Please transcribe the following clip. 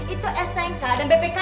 itu stnk dan bpk